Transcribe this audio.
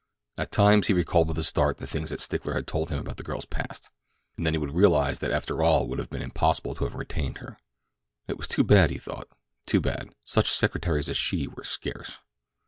At times he recalled with a start the things that Stickler had told him about the girl's past, and then he would realize that after all it would have been impossible to have retained her. It was too bad, he thought; too bad—such secretaries as she were scarce.